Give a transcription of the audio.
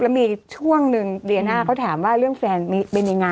แล้วมีช่วงหนึ่งเดียน่าเขาถามว่าเรื่องแฟนเป็นยังไง